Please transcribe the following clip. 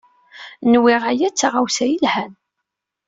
Nwiɣ aya d taɣawsa yelhan.